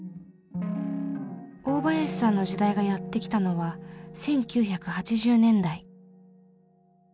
大林さんの時代がやって来たのは１９８０年代。